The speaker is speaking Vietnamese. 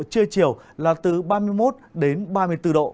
trưa chiều là từ ba mươi một đến ba mươi bốn độ